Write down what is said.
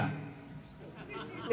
partai nomor satu